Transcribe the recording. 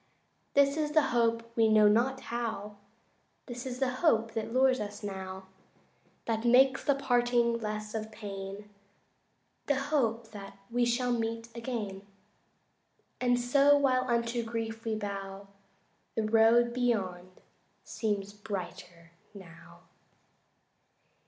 This is the hope we know not how This is the hope that lures us now, That makes the parting less of pain The hope that we shall meet again, And so while unto grief we bow The road beyond seems brighter now.